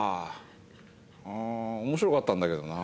うん面白かったんだけどな。